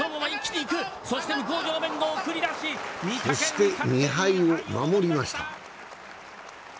そして２敗を守りました。